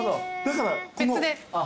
別で。